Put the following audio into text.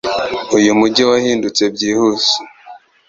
Uyu mujyi wahindutse byihuse.